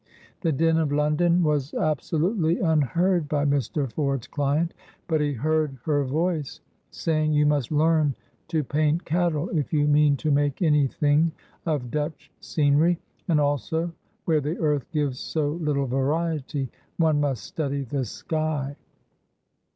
The din of London was absolutely unheard by Mr. Ford's client, but he heard her voice, saying, "You must learn to paint cattle, if you mean to make any thing of Dutch scenery. And also, where the earth gives so little variety, one must study the sky.